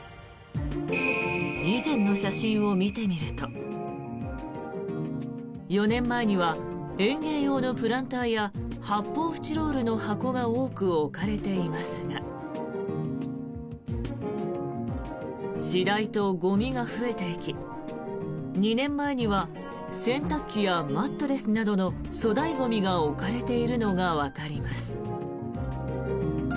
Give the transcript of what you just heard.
以前の写真を見てみると４年前には園芸用のプランターや発泡スチロールの箱が多く置かれていますが次第とゴミが増えていき２年前には洗濯機やマットレスなどの粗大ゴミが置かれているのがわかります。